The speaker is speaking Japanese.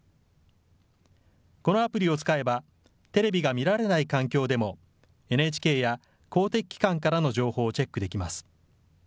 このアプリを使えばテレビが見られない環境でもＮＨＫや公的機関からの情報をチェックできます。